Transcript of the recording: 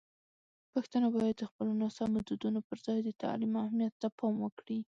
پښتانه باید د خپلو ناسمو دودونو پر ځای د تعلیم اهمیت ته پام وکړي.